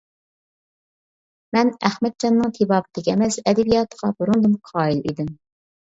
مەن ئەخمەتجاننىڭ تېبابىتىگە ئەمەس ئەدەبىياتىغا بۇرۇندىن قايىل ئىدىم.